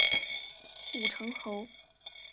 武城侯。